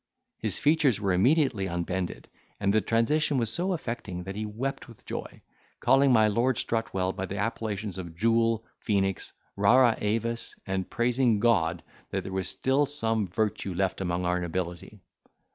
His features were immediately unbended, and the transition was so affecting, that he wept with joy, calling my Lord Strutwell by the appellations of Jewel, Phoenix, Rara avis; and praising God, that there was still some virtue left among our nobility.